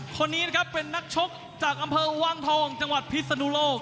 คนนี้นะครับเป็นนักชกจากอำเภอวังทองจังหวัดพิศนุโลก